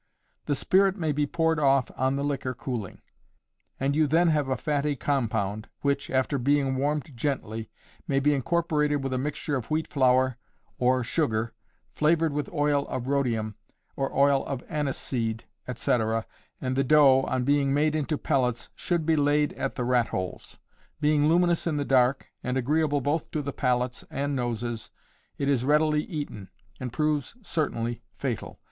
The spirit may be poured off on the liquor cooling; and you then have a fatty compound, which, after being warmed gently, may be incorporated with a mixture of wheat flour, or sugar, flavored with oil of rhodium, or oil of anise seed, etc., and the dough, on being made into pellets, should be laid at the rat holes; being luminous in the dark, and agreeable both to the palates and noses, it is readily eaten, and proves certainly fatal.